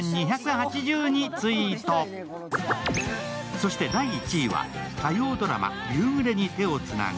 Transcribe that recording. そして第１位は火曜ドラマ「夕暮れに、手をつなぐ」